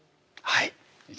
はい。